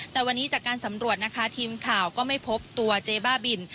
แต่วันนี้จากการสำรวจนะคะทีมข่าวก็ไม่พบตัวเจ๊บ้าบิน